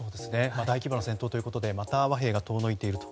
大規模な戦闘ということでまた和平が遠のいていると。